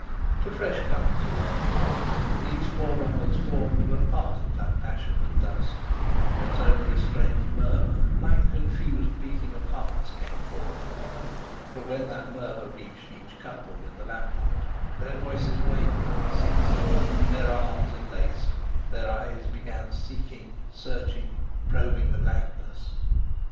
To fresh comers along the paths, these forerunners formed but part of that passionate dusk, whence only a strange murmur, like the confused beating of hearts, came forth. But when that murmur reached each couple in the lamp light their voices wavered, and ceased; their arms enlaced, their eyes began seeking, searching, probing the blackness.